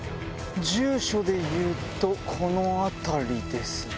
住所でいうとこの辺りですね。